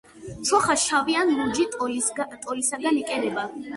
ჩოხა შავი ან ლურჯი ტოლისაგან იკერება.